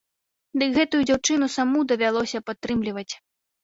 Дык гэтую дзяўчыну саму давялося падтрымліваць.